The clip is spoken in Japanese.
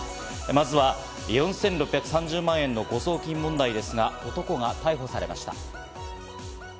まずは４６３０万円の誤送金問題ですが、男が逮捕されました。